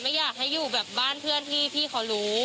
ไม่อยากให้อยู่แบบบ้านเพื่อนที่พี่เขารู้